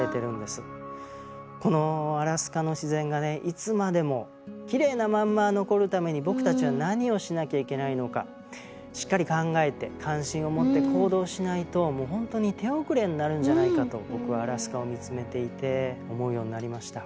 このアラスカの自然がねいつまでもきれいなまんま残るために僕たちは何をしなきゃいけないのかしっかり考えて関心を持って行動しないともう本当に手遅れになるんじゃないかと僕はアラスカを見つめていて思うようになりました。